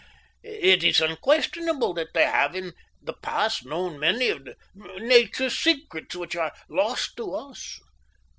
It is unquestionable that they have in the past known many of Nature's secrets which are lost to us.